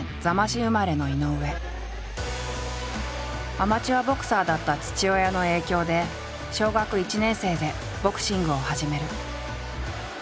アマチュアボクサーだった父親の影響で小学１年生でボクシングを始める。